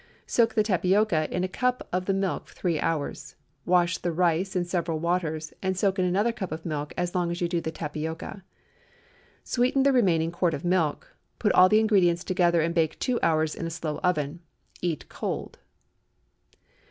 Soak the tapioca in a cup of the milk three hours; wash the rice in several waters, and soak in another cup of milk as long as you do the tapioca. Sweeten the remaining quart of milk; put all the ingredients together, and bake two hours in a slow oven. Eat cold.